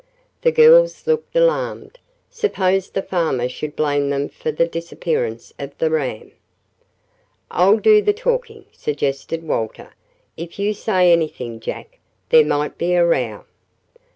The girls looked alarmed. Suppose the farmer should blame them for the disappearance of the ram! "I'll do the talking," suggested Walter. "If you say anything, Jack, there might be a row."